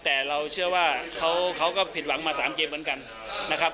แต่เราเชื่อว่าเขาก็ผิดหวังมา๓เกมเหมือนกันนะครับ